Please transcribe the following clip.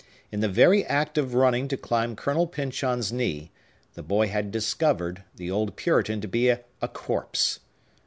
In the very act of running to climb Colonel Pyncheon's knee, the boy had discovered the old Puritan to be a corpse.